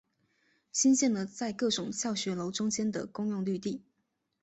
兴建了在各种教学楼中间的公用绿地。